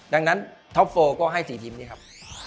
ดังนั้นท็อปโฟก็ให้๔ทีมนี้ครับ